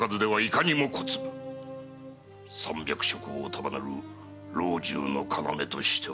三百諸侯を束ねる老中の要としては。